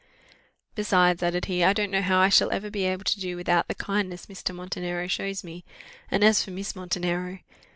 "Besides," added he, "I don't know how I shall ever be able to do without the kindness Mr. Montenero shows me; and as for Miss Montenero